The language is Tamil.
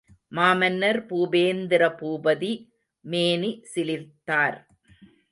மாமன்னர் பூபேந்திர பூபதி மேனி சிலிர்த்தார்.